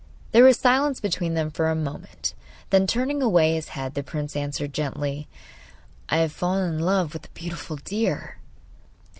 There was silence between them for a moment, then, turning away his head, the prince answered gently: 'I have fallen in love with a beautiful deer!